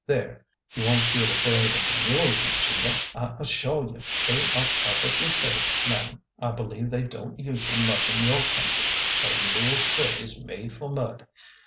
There! You won't feel afraid of the mules. Miss Cheever? I as shore you they are perfectly safe, madam. I believe they don't use them much in your country. But a mule's foot is made for mud.